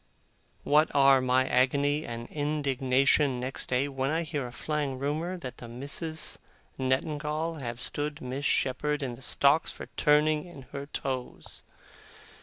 What are my agony and indignation next day, when I hear a flying rumour that the Misses Nettingall have stood Miss Shepherd in the stocks for turning in her toes!